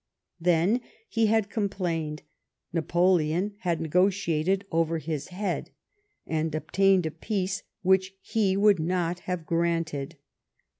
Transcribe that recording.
Then, he had complained, Napoleon had negotiated over his head, and obtained a peace which he would not have granted.